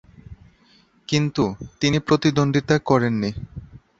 কিন্তু, তিনি প্রতিদ্বন্দ্বিতা করেন নি।